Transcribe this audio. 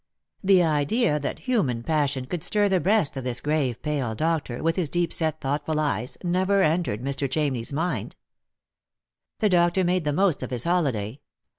The idea that human passion could stir the breast of this grave pale doctor, with his deep set thoughtful eyes, never entered Mr. Ohamney's mind. The doctor made the most of his holiday.